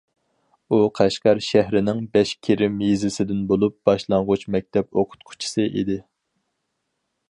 ئۇ قەشقەر شەھىرىنىڭ بەشكېرەم يېزىسىدىن بولۇپ، باشلانغۇچ مەكتەپ ئوقۇتقۇچىسى ئىدى.